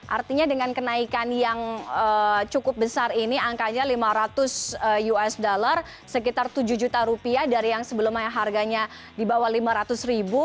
artinya dengan kenaikan yang cukup besar ini angkanya lima ratus usd sekitar tujuh juta rupiah dari yang sebelumnya yang harganya di bawah lima ratus ribu